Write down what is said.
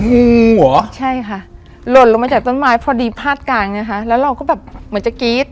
เหรอใช่ค่ะหล่นลงมาจากต้นไม้พอดีภาคกลางไงคะแล้วเราก็แบบเหมือนจะกรี๊ด